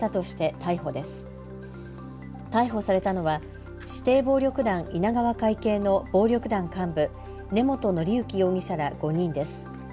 逮捕されたのは指定暴力団、稲川会系の暴力団幹部、根本則幸容疑者ら５人です。